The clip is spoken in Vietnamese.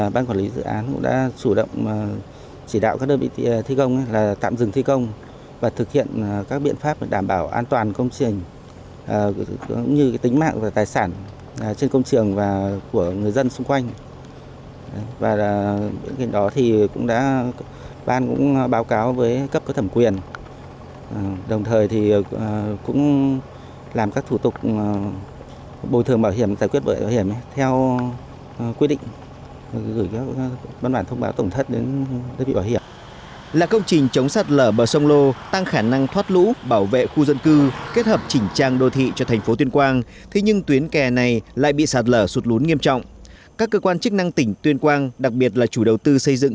ban quản lý dự án đã chỉ đạo các nhà thầu dừng thi công và thực hiện các biện pháp bảo vệ khu vực sạt lở nhằm bảo đảm tuyệt đối an toàn cho người và tài sản trên công trường